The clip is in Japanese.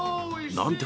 なんて